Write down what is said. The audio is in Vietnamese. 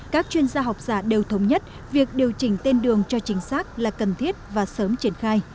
các chuyên gia học giả đều thống nhất việc điều chỉnh tên đường cho chính xác là cần thiết và sớm triển khai